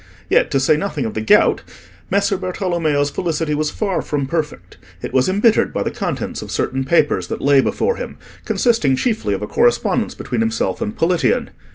Yet, to say nothing of the gout, Messer Bartolommeo's felicity was far from perfect: it was embittered by the contents of certain papers that lay before him, consisting chiefly of a correspondence between himself and Politian.